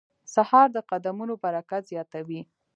سهار د قدمونو برکت زیاتوي.